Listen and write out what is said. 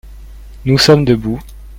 nous sommes debout.